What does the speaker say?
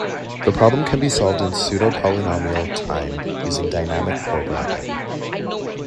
The problem can be solved in pseudo-polynomial time using dynamic programming.